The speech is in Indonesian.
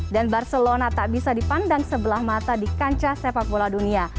dan barcelona tak bisa dipandang sebelah mata di kancah sepak bola dunia